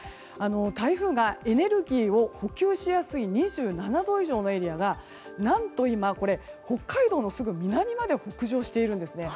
台風がエネルギーを補給しやすい２７度以上のエリアが何と今、北海道のすぐ南まで北上しているんですね。